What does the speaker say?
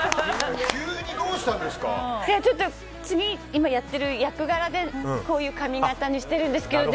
今やっている役柄でこういう髪形にしているんですけど。